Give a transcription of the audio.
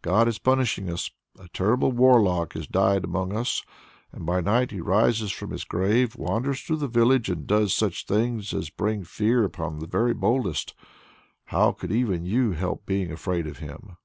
"God is punishing us! A terrible warlock has died among us, and by night he rises from his grave, wanders through the village, and does such things as bring fear upon the very boldest! How could even you help being afraid of him?"